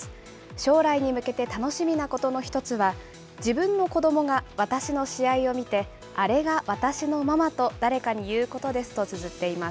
将来に向けて楽しみなことの一つは、自分の子どもが私の試合を見て、あれが私のママと、誰かに言うことですとつづっています。